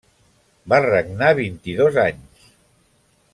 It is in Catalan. Va regnar vint-i-dos anys.